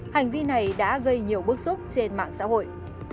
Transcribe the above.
hành vi này đã gây nhiều bức xúc trên mạng xã hội